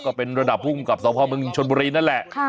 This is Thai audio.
ก็เป็นระดับภูมิกับสมภาพเมืองชนบุรีนั่นแหละ